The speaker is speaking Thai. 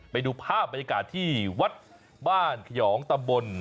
ไปดูภาพระยกาลที่วัดบ้านหยองตะไบล